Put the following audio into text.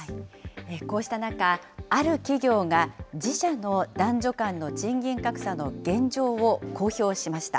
こうした中、ある企業が自社の男女間の賃金格差の現状を公表しました。